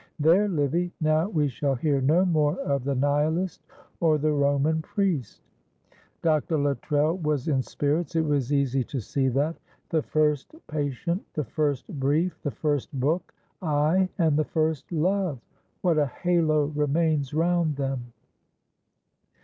There, Livy, now we shall hear no more of the Nihilist or the Roman priest." Dr. Luttrell was in spirits; it was easy to see that. The first patient, the first brief, the first book aye, and the first love. What a halo remains round them!